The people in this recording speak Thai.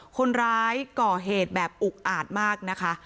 คนร้ายก่อเหตุแบบอุกอาจมากนะคะ